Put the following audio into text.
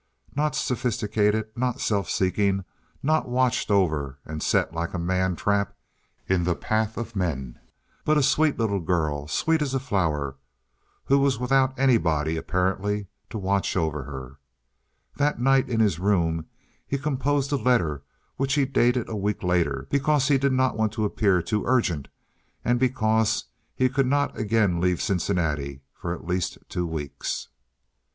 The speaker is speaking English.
Not sophisticated, not self seeking, not watched over and set like a man trap in the path of men, but a sweet little girl—sweet as a flower, who was without anybody, apparently, to watch over her. That night in his room he composed a letter, which he dated a week later, because he did not want to appear too urgent and because he could not again leave Cincinnati for at least two weeks.